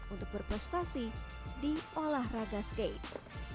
untuk berprestasi di olahraga skate